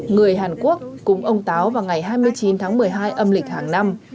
người hàn quốc cúng ông táo vào ngày hai mươi chín tháng một mươi hai âm lịch hàng năm